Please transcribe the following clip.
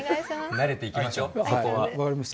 慣れていきましょうそこは。